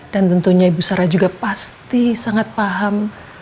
dan tentunya ibu sara juga pasti sangat paham